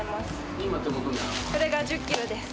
今、これが１０キロです。